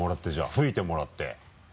吹いてもらって。